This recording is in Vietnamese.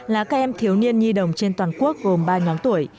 là các em thiếu niên nhi đồng trên toàn quốc gồm ba nhóm tuổi